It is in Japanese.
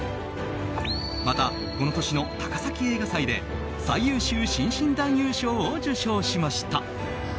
また、この年の高崎映画祭で最優秀新進男優賞を受賞しました。